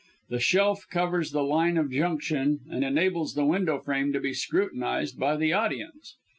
The shelf covers the line of junction and enables the window frame to be scrutinized by the audience.